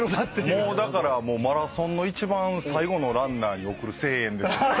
もうだからマラソンの一番最後のランナーに送る声援です。